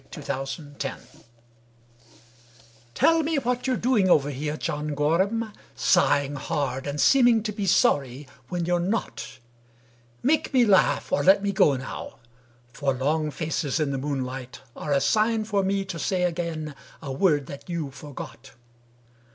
John Gorham "Tell me what you're doing over here, John Gorham, Sighing hard and seeming to be sorry when you're not; Make me laugh or let me go now, for long faces in the moonlight Are a sign for me to say again a word that you forgot."